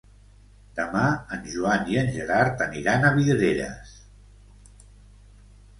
Demà en Joan i en Gerard aniran a Vidreres.